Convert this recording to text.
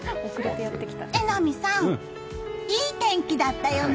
榎並さん、いい天気だったよね。